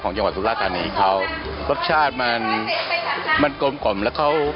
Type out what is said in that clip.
ของจังหวัดตุลาดทานนี้เขารสชาติมันกลมและเขา